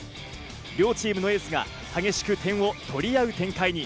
両チームのエースが激しく点を取り合う展開に。